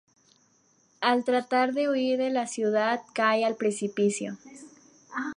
Al tratar de huir de la ciudad, cae al precipicio.